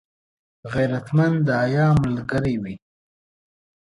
غیرتمند د حیا ملګری وي